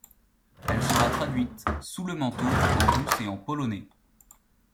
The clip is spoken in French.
Elle sera traduite, sous le manteau, en russe et en polonais.